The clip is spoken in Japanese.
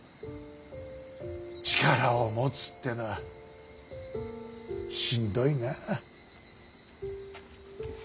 力を持つってのはしんどいなあ。